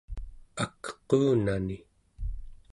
akquunani